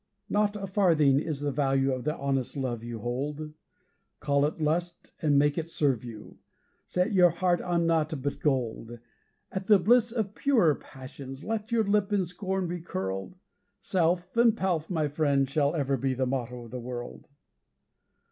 Not a farthing is the value of the honest love you hold; Call it lust, and make it serve you! Set your heart on nought but gold. At the bliss of purer passions let your lip in scorn be curled 'Self and Pelf', my friend, shall ever be the motto of the world.'